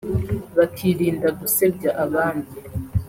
bakirinda gusebya abandi